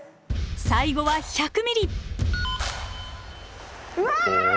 最後は１００ｍｍ。